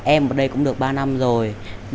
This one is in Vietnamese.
em ở đây cũng được ba năm rồi